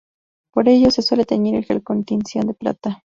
Por ello, se suele teñir el gel con tinción de plata.